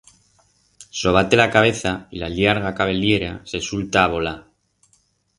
Sobate la cabeza y la llarga cabellera se sulta a volar.